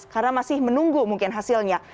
karena masih menunggu mungkin hasilnya